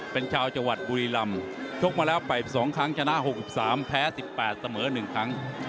เป็นชาวจังหวัดบุรีรำชกมาแล้ว๘๒ครั้งชนะ๖๓แพ้๑๘เสมอ๑ครั้ง